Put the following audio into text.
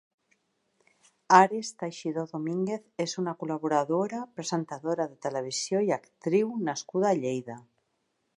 Ares Teixidó Domínguez és una col·laboradora, presentadora de televisió i actriu nascuda a Lleida.